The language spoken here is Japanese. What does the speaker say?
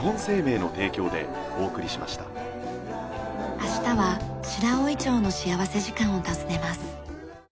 明日は白老町の幸福時間を訪ねます。